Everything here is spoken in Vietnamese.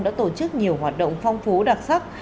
đã tổ chức nhiều hoạt động phong phú đặc sắc